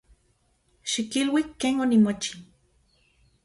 Xikilui ken onimochi.